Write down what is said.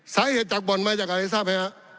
สาเหตุจากบ่อนมาจากอะไรทราบไหมฮะ